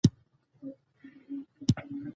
مېلې د ټولني د مثبتو ارزښتو خپرول دي.